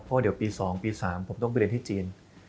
เพราะเดี๋ยวปี๒ปี๓ผมต้องไปเรียนที่จีน